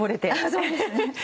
そうですね。